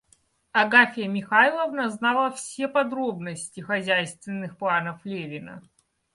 Агафья Михайловна знала все подробности хозяйственных планов Левина.